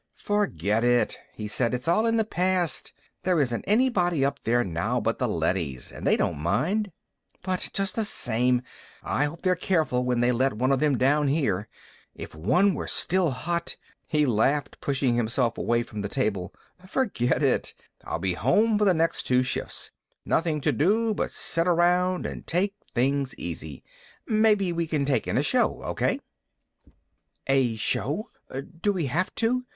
"Forget it," he said. "It's all in the past. There isn't anybody up there now but the leadys, and they don't mind." "But just the same, I hope they're careful when they let one of them down here. If one were still hot " He laughed, pushing himself away from the table. "Forget it. This is a wonderful moment; I'll be home for the next two shifts. Nothing to do but sit around and take things easy. Maybe we can take in a show. Okay?" "A show? Do we have to?